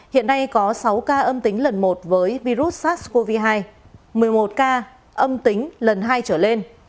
hiện nay có sáu ca âm tính lần một với virus sars cov hai một mươi một ca âm tính lần hai trở lên